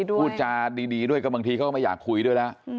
พูดจาดีด้วยก็บางทีเขาก็ไม่อยากคุยด้วยแล้ว